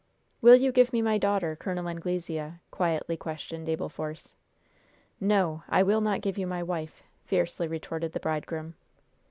"Will you give me my daughter, Col. Anglesea?" quietly questioned Abel Force. "No, I will not give you my wife!" fiercely retorted the bridegroom.